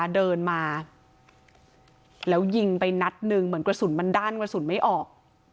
เดินมาแล้วยิงไปนัดหนึ่งเหมือนกระสุนมันด้านกระสุนไม่ออก